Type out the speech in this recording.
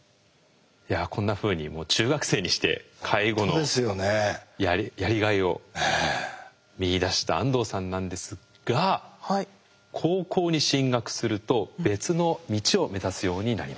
いやこんなふうにもう中学生にして介護のやりがいを見いだした安藤さんなんですが高校に進学すると別の道を目指すようになります。